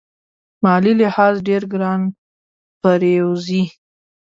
مالي لحاظ ډېر ګران پرېوزي.